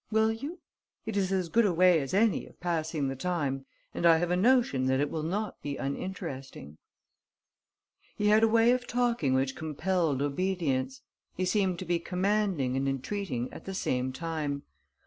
Will you? It is as good a way as any of passing the time and I have a notion that it will not be uninteresting." He had a way of talking which compelled obedience. He seemed to be commanding and entreating at the same time.